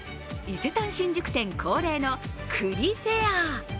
伊勢丹新宿店恒例の栗フェア。